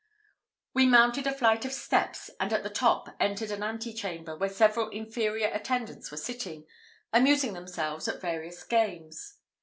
We mounted a flight of steps, and at the top entered an antechamber, where several inferior attendants were sitting, amusing themselves at various games.